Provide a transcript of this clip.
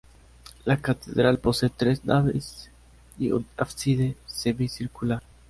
La catedral posee tres naves y un ábside semicircular.